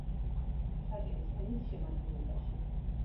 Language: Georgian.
შატილის თემის შემადგენლობაში.